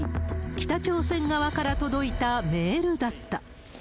北朝鮮側から届いたメールだった。